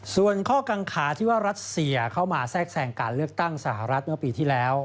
ส่วนข้อกังขาที่ว่ารัสเซียเข้ามาแทรกแทรงการเลือกตั้งสหรัฐเมื่อปีที่แล้ว